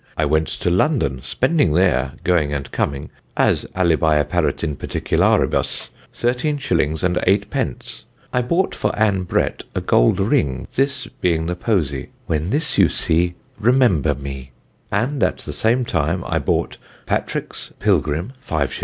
"I went to London, spending there, going and coming, as alibi apparet in particularibus, 13_s._ 8_d._; I bought for Ann Brett a gold ring, this being the posy, 'When this you see, remember mee,' and at the same time I bought Patrick's Pilgrim, 5_s.